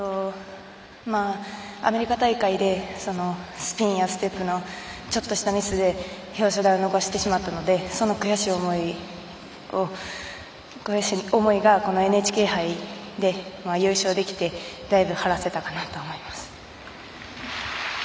アメリカ大会でスピンやステップのちょっとしたミスで表彰台を逃してしまったのでその悔しい思いがこのＮＨＫ杯で優勝できてだいぶ晴らせたかなと思います。